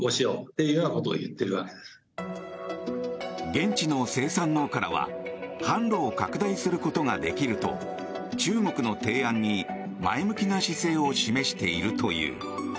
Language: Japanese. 現地の生産農家らは販路を拡大することができると中国の提案に前向きな姿勢を示しているという。